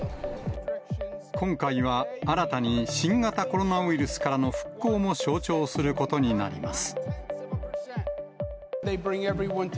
今回は新たに、新型コロナウイルスからの復興も象徴することになります。